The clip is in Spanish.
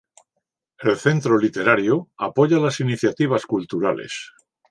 El Centro Literario apoya las iniciativas culturales.